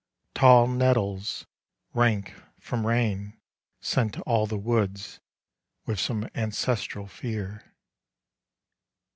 Tall nettles rank from nun Scent all the woods with some ancestral fear.